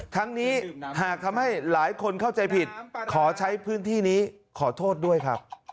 ทั้งนี้หากทำให้หลายคนเข้าใจผิดขอใช้พื้นที่นี้ขอโทษด้วยครับ